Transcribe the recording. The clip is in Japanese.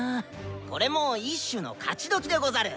これも一種の勝ちどきでござる！